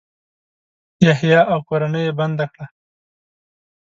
یحیی او کورنۍ یې بنده کړه.